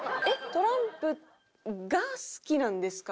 トランプが好きなんですかね？